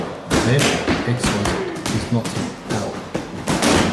Therefore, "xyz" is not in "L".